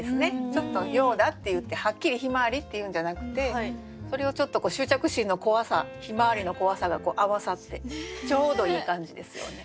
ちょっと「ようだ」って言ってはっきり「ひまわり」って言うんじゃなくてそれをちょっと執着心の怖さひまわりの怖さが合わさってちょうどいい感じですよね。